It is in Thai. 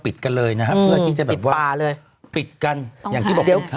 กันเลยนะฮะเพื่อที่จะแบบว่าปิดกันอย่างที่บอกลูกค้า